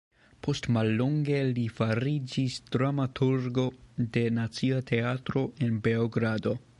Post mallonge li fariĝis dramaturgo de Nacia Teatro en Beogrado.